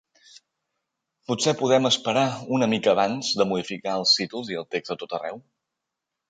Potser podem esperar una mica abans de modificar els títols i el text a tot arreu?